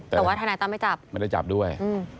แต่ว่าทนายตั้มไม่จับไม่ได้จับด้วย